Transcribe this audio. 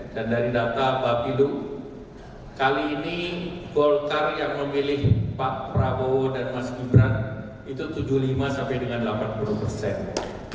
dan dari data bapilu kali ini golkar yang memilih pak prabowo dan mas gibran itu tujuh puluh lima sampai dengan delapan puluh persen